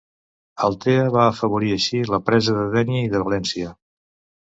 Altea va afavorir així la presa de Dénia i de València.